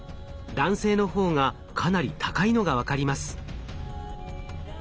男性のほうがかなり高いのが分かります。